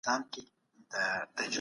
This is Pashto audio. تعلیم ټولنه له غربت څخه ژغوري.